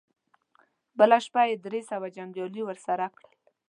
بله شپه يې درې سوه جنګيالي ور سره کړل.